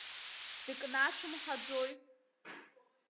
Дыкнашәымҳаӡои?